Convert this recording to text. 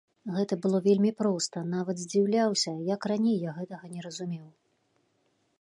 Гэта было вельмі проста, нават здзіўляўся, як раней я гэтага не разумеў.